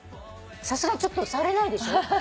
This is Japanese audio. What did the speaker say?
さすがにちょっと触れないでしょ。